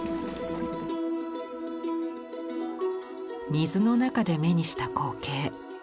水の中で目にした光景。